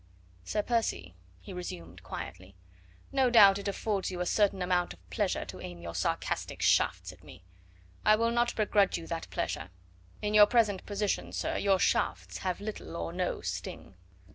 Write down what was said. "Sir Percy," he resumed quietly, "no doubt it affords you a certain amount of pleasure to aim your sarcastic shafts at me. I will not begrudge you that pleasure; in your present position, sir, your shafts have little or no sting."